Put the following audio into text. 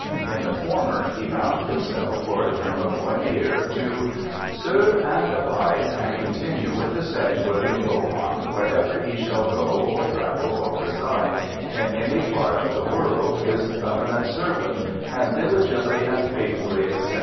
In the former he bound himself for a term of one year to ' Ser\^e, abide and continue with the said William Beaumont, wherever he shall go or travel or reside in any part of the world his covenant servant and diligently and faithfully, etc., .